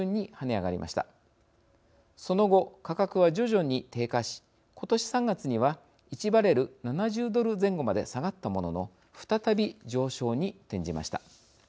その後価格は徐々に低下し今年３月には１バレル７０ドル前後まで下がったものの再び上昇に転じました。